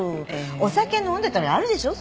お酒飲んでたらあるでしょう？